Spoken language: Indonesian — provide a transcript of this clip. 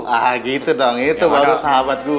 ah gitu dong itu baru sahabat gue